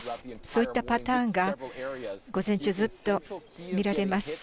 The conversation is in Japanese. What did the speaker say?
そういったパターンが午前中ずっと見られます。